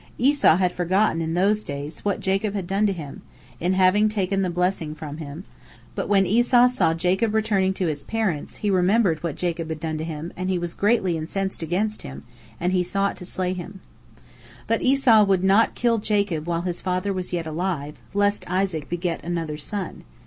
Esau had forgotten in those days what Jacob had done to him, in having taken the blessing from him, but when Esau saw Jacob returning to his parents, he remembered what Jacob had done to him, and he was greatly incensed against him, and he sought to slay him. But Esau would not kill Jacob while his father was yet alive, lest Isaac beget another son.